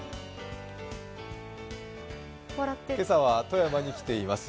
今朝は富山に来ています。